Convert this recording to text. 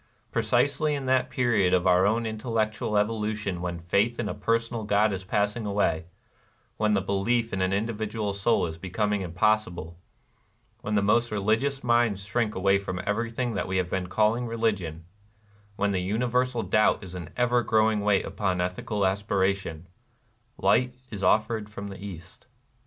Precisely in that period of our own intellectual evolution when faith in a personal God is passing away, — when the belief in an individual soul is be coming impossible, — when the most religious minds shrink from everything that v^^e have been calling religion, — when the universal doubt is an ever growing weight upon ethical aspiration, — light is offered from the East.